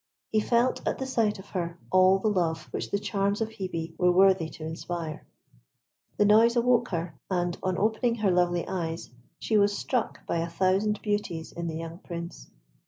He felt at the sight of her all the love which the charms of Hebe were worthy to inspire. The noise awoke her, and on opening her lovely eyes, she was struck by a thousand beauties in the young Prince.